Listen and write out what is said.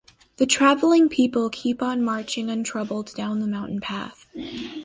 The travelling people keep on marching untroubled down the mountain path.